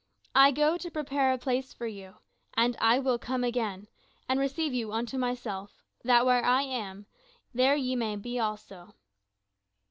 I go to prepare a place for you, and I will come again, and receive you unto myself; that where I am, there ye may be also."